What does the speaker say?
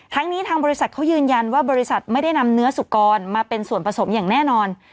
ทั้งนี้ทางบริษัทเขายืนยันว่าบริษัทไม่ได้นำเนื้อสุกรมาเป็นส่วนผสมอย่างแน่นอน